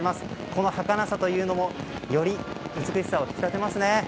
このはかなさというのもより美しさを引き立てますね。